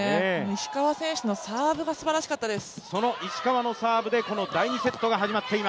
石川選手のサーブがすばらしかったです。